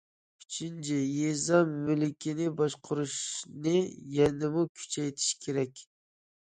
ئۈچىنچى، يېزا مۈلكىنى باشقۇرۇشنى يەنىمۇ كۈچەيتىش كېرەك.